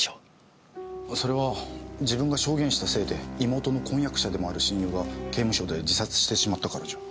それは自分が証言したせいで妹の婚約者でもある親友が刑務所で自殺してしまったからじゃ。